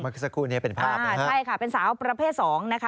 สักครู่นี้เป็นภาพอ่าใช่ค่ะเป็นสาวประเภทสองนะคะ